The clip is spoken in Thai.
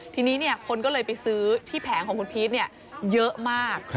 ทีนี้คนก็เลยไปซื้อที่แผงของคุณพีชเยอะมาก